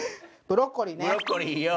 ブロッコリーよ。